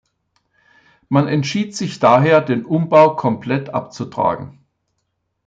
Man entschied sich daher, den Umbau komplett abzutragen.